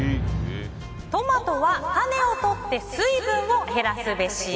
トマトは種を取って水分を減らすべし。